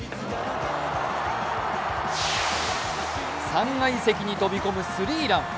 ３階席に飛び込むスリーラン。